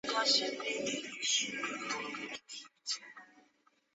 贝加尔港市镇是俄罗斯联邦伊尔库茨克州斯柳江卡区所属的一个市镇。